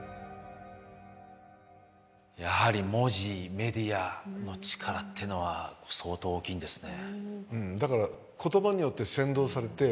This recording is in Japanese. やはり文字メディアの力ってのは相当大きいんですね。